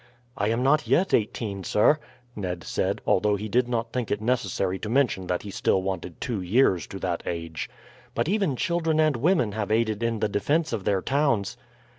"I am not yet eighteen, sir," Ned said, although he did not think it necessary to mention that he still wanted two years to that age. "But even children and women have aided in the defence of their towns."